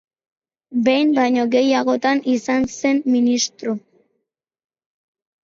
Behin baino gehiagotan izan zen ministro.